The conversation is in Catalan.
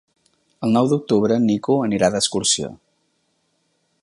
El nou d'octubre en Nico anirà d'excursió.